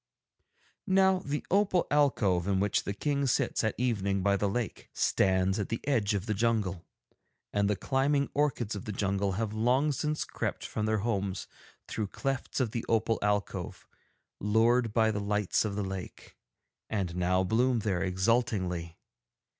'Now the opal alcove in which the King sits at evening by the lake stands at the edge of the jungle, and the climbing orchids of the jungle have long since crept from their homes through clefts of the opal alcove, lured by the lights of the lake, and now bloom there exultingly.